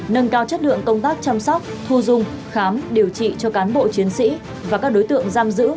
nâng cao chất lượng công tác chăm sóc thu dung khám điều trị cho cán bộ chiến sĩ và các đối tượng giam giữ